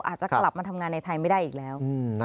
อาจจะกลับมาทำงานในไทยไม่ได้อีกแล้ว